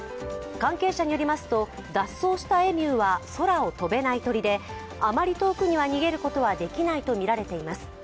関係者によりますと、脱走したエミューは空を飛べない鳥で、あまり遠くには逃げることができないとみられています。